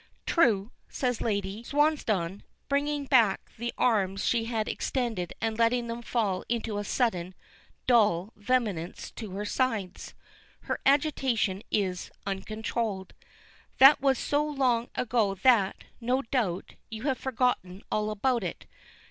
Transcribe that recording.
"True," says Lady. Swansdown, bringing back the arms she had extended and letting them fall into a sudden, dull vehemence to her sides. Her agitation is uncontrolled. "That was so long ago that, no doubt, you have forgotten all about it.